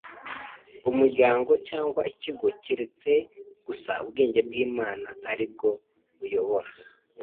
umuryango cyangwa ikigo keretse gusa ubwenge bw’Imana ari bwo buyobora.